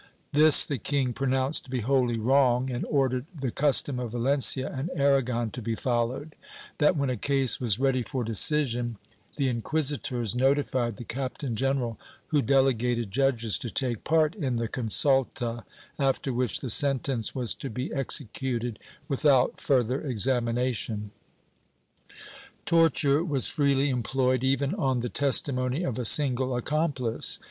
This the king pronouncd to be wholly wrong and ordered the custom of Valencia and Aragon to be followed— that, when a case was ready for decision, the inquisitors notified the captain general, who delegated judges to take part in the consulta, after which the sentence w^as to be executed without further examination/ Torture was freely employed, even on the testimony of a single accomplice.